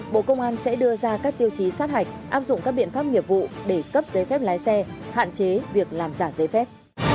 bộ công an sẽ đưa ra các tiêu chí sát hạch áp dụng các biện pháp nghiệp vụ để cấp giấy phép lái xe hạn chế việc làm giả giấy phép